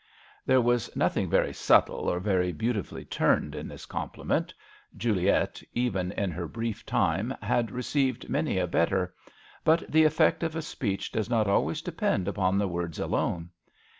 There was nothing very subtle or very beautifully turned in this compliment ; Juliet, even in her brief time, had received many 12 i 178 MISS AWDREY AT HOME. a better ; but the effect of a speech does not alwajrs depend upon the words alone.